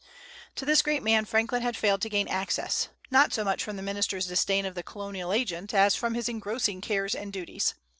To this great man Franklin had failed to gain access, not so much from the minister's disdain of the colonial agent, as from his engrossing cares and duties.